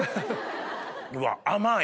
うわ甘い！